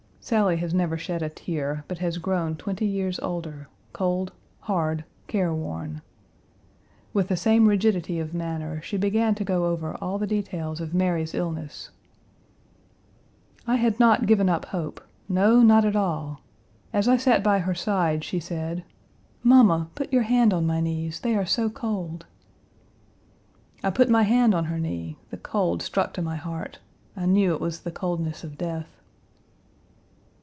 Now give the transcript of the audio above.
Sally has never shed a tear, but has grown twenty years older, cold, hard, careworn. With the same rigidity of manner, she began to go over all the details of Mary's illness. "I had not given up hope, no, not at all. As I sat by her side, she said: 'Mamma, put your hand on my knees; they are so cold.' I put my hand on her knee; the cold struck to my heart. I knew it was the coldness of death."